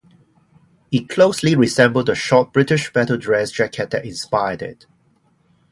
It closely resembled the short British Battle Dress jacket that inspired it.